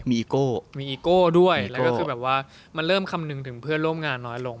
มีอีโก้มีอีโก้ด้วยแล้วก็คือแบบว่ามันเริ่มคำนึงถึงเพื่อนร่วมงานน้อยลง